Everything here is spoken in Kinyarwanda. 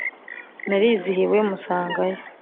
narizihiwe musanga yo